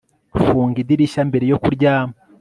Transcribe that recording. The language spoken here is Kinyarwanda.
Funga idirishya mbere yo kuryama